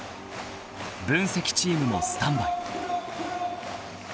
［分析チームもスタンバイ］